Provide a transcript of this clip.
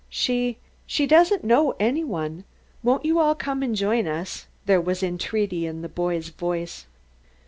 "She she doesn't know any one. Won't you all come and join us?" There was entreaty in the boy's voice.